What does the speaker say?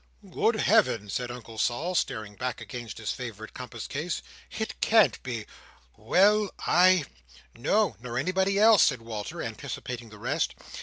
"Good Heaven!" said Uncle Sol, starting back against his favourite compass case. "It can't be! Well, I—" "No, nor anybody else," said Walter, anticipating the rest.